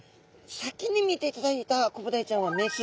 先に見ていただいたコブダイちゃんはメス